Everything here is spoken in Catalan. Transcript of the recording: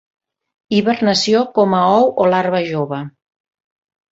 Hibernació com a ou o larva jove.